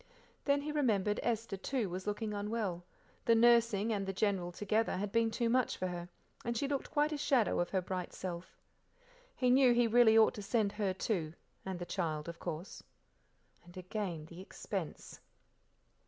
Then he remembered Esther, too, was, looking unwell; the nursing and the General together had been too much for her, and she looked quite a shadow of her bright self. He knew he really ought to send her, too, and the child, of course. And again the expense.